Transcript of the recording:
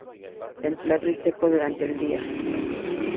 Templado y seco durante el día.